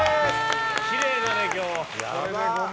きれいだね、今日。